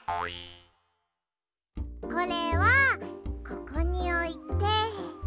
これはここにおいて。